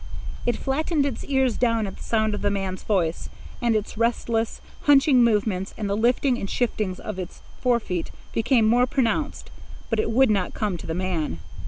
It flattened its ears down at the sound of the man's voice, and its restless, hunching movements and the liftings and shiftings of its forefeet became more pronounced but it would not come to the man.